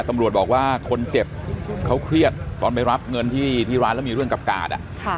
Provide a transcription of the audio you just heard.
ตำรวจบอกว่าคนเจ็บเขาเครียดตอนไปรับเงินที่ร้านแล้วมีเรื่องกับกาด